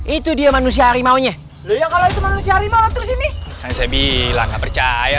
itu dia manusia harimaunya kalau itu manusia harimau terus ini saya bilang nggak percaya